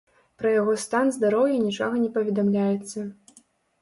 Пра яго стан здароўя нічога не паведамляецца.